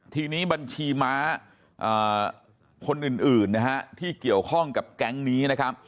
ทีนี้บัญชีม้าคนอื่นนะฮะที่เกี่ยวข้องกับแก๊งนี้นะครับ